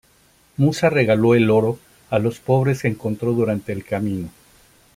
Musa regaló el oro a los pobres que encontró durante el camino.